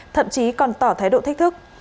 thậm chí còn tỏ thái độ thích thức